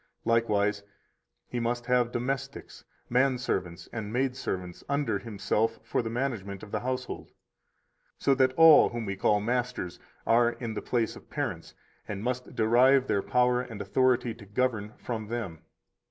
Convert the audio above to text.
142 Likewise, he must have domestics, man servants and maid servants, under himself for the management of the household, so that all whom we call masters are in the place of parents and must derive their power and authority to govern from them.